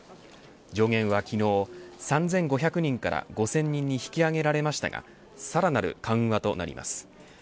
上限は昨日３５００人から５０００人に引き上げられましたがさらなる緩和となります。